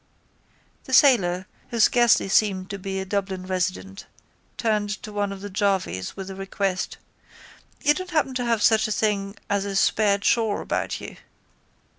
The sailor, who scarcely seemed to be a Dublin resident, turned to one of the jarvies with the request: —You don't happen to have such a thing as a spare chaw about you?